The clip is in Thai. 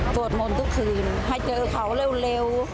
สวดมนต์ทุกคืนให้เจอเขาเร็ว